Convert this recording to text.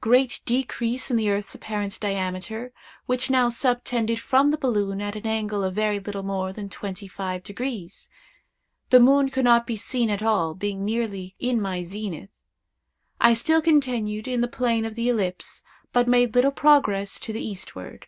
Great decrease in the earth's apparent diameter, which now subtended from the balloon an angle of very little more than twenty five degrees. The moon could not be seen at all, being nearly in my zenith. I still continued in the plane of the ellipse, but made little progress to the eastward.